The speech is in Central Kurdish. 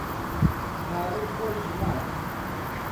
پارەی خۆی ژمارد.